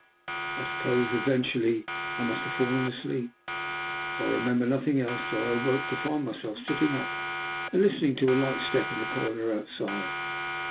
I suppose eventually I must have fallen asleep, for I remember nothing else until I awoke to find myself sitting up and listening to a light step in the corridor outside.